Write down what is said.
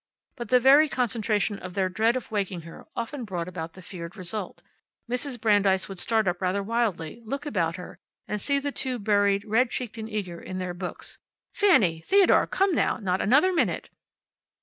But the very concentration of their dread of waking her often brought about the feared result. Mrs. Brandeis would start up rather wildly, look about her, and see the two buried, red cheeked and eager, in their books. "Fanny! Theodore! Come now! Not another minute!"